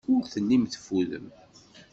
Ur tellim teffudem.